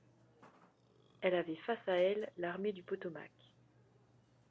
Elle avait face à elle l'armée du Potomac.